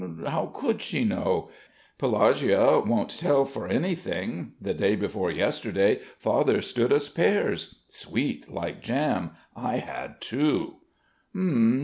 How could she know? Pelagueia won't tell for anything. The day before yesterday Father stood us pears. Sweet, like jam. I had two."